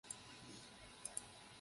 特鲁桑库尔。